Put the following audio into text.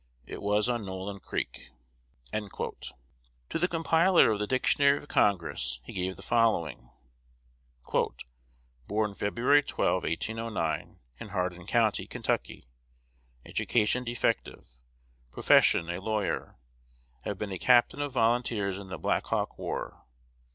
It was on Nolin Creek." To the compiler of the "Dictionary of Congress" he gave the following: "Born Feb. 12, 1809, in Hardin County, Kentucky. Education defective. Profession, a lawyer. Have been a captain of volunteers in the Black Hawk War.